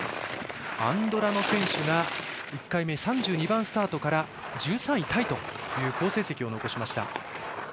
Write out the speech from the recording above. アンドラの選手が１回目３２番スタートから１３位タイという好成績を残しました。